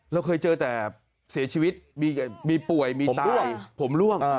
เราเคยเจอแต่เสียชีวิตมีป่วยมีตายผมล่วง